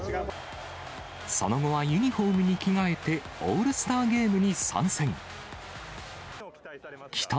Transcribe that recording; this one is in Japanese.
その後はユニホームに着替えて、オールスターゲームに参戦。